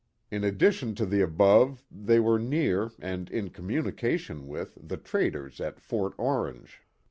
In addition to the above, they were near, and in communication with, the traders at Fort Orange.